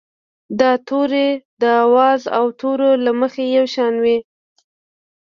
دا توري د آواز او تورو له مخې یو شان وي.